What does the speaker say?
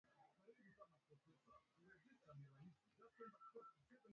akionya kutokea kwa maafa ya nuklia ikiwa uhasama utazidi